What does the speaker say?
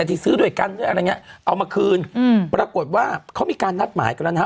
ที่ซื้อด้วยกันด้วยอะไรอย่างเงี้ยเอามาคืนอืมปรากฏว่าเขามีการนัดหมายกันแล้วนะฮะ